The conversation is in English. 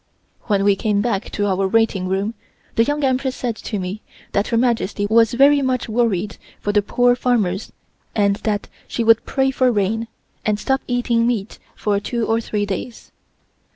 When we came back to our waiting room, the Young Empress said to me that Her Majesty was very much worried for the poor farmers and that she would pray for rain, and stop eating meat for two or three days.